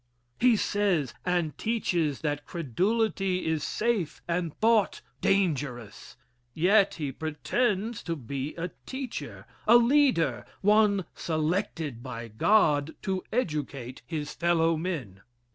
He says and teaches that credulity is safe and thought dangerous. Yet he pretends to be a teacher a leader, one selected by God to educate his fellow men.